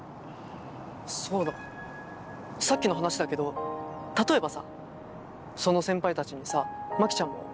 そうださっきの話だけど例えばさその先輩たちにさマキちゃんも相談してみるとか。